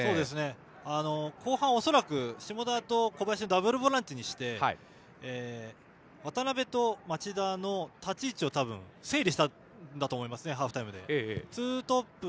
後半、恐らく下田と小林をダブルボランチにして渡邉と町田の立ち位置を整理したんだと思いますハーフタイムで。